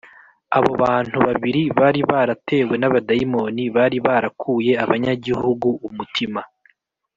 abo bantu babiri bari baratewe n’abadayimoni bari barakuye abanyagihugu umutima’